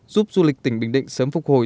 giúp du lịch tỉnh bình định sớm phục hồi